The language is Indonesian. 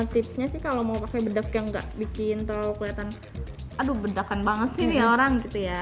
tipsnya kalau mau pakai bedak yang nggak bikin kelihatan bedakan banget